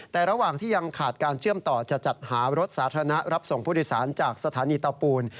แต่ระหว่างที่ยังขาดการเชื่อมต่อจะจัดหารถสาธารณะรับส่งผู้โดยสารจากสถานีเตาปูน